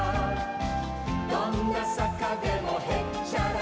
「どんなさかでもへっちゃらさ」